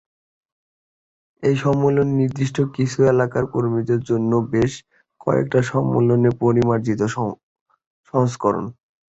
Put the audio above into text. এই সম্মেলন নির্দিষ্ট কিছু এলাকায় কর্মীদের জন্য বেশ কয়েকটা সম্মেলনের পরিমার্জিত সংস্করণ।